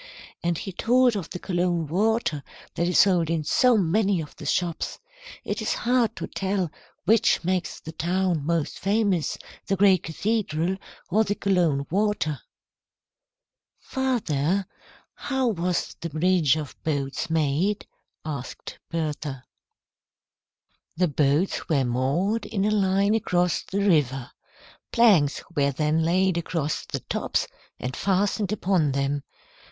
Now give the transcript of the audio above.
And he told of the Cologne water that is sold in so many of the shops. It is hard to tell which makes the town most famous, the great cathedral or the Cologne water." "Father, how was the bridge of boats made?" asked Bertha. "The boats were moored in a line across the river. Planks were then laid across the tops and fastened upon them.